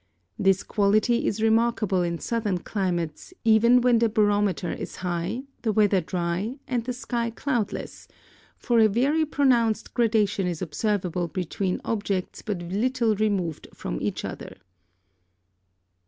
This quality is remarkable in southern climates, even when the barometer is high, the weather dry, and the sky cloudless, for a very pronounced gradation is observable between objects but little removed from each other.